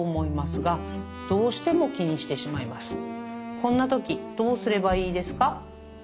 こんな時、どうすればいいですか」。